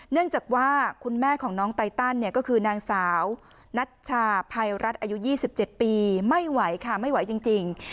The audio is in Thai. เนื่องจากว่าคุณแม่ของน้องไตตันเนี่ยก็คือนางสาวนัชชาภัยรัฐอายุ๒๗ปีไม่ไหวค่ะไม่ไหวจริง